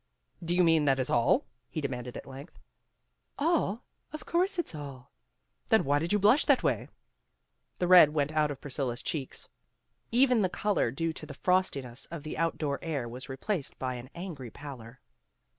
"Do you mean that is all!" he demanded at length. "All? Of course it's all." "Then why did you blush that way?" The red went out of Priscilla 's cheeks. Even the color due to the frostiness of the out door air was replaced by an angry pallor.